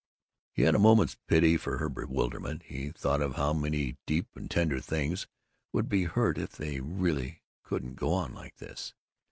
He had a moment's pity for her bewilderment; he thought of how many deep and tender things would be hurt if they really "couldn't go on like this."